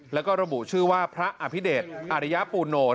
แล้วก็ระบุชื่อว่าพระอภิเดชอาริยปูโน